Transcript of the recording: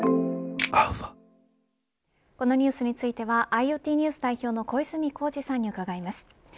このニュースについてはＩｏＴＮＥＷＳ代表の小泉耕二さんに伺います。